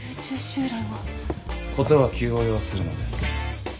事は急を要するのです。